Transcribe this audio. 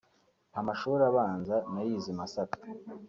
Amashuli abanza nayize i Masaka